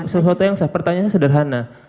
sesuatu yang sah pertanyaannya sederhana